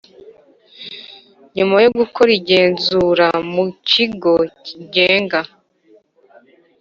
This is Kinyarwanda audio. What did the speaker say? nyuma yo gukora igenzura mu Kigo cyigenga